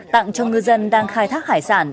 tặng cho ngư dân đang khai thác hải sản